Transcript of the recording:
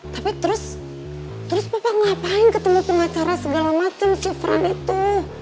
tapi terus terus bapak ngapain ketemu pengacara segala macam si fran itu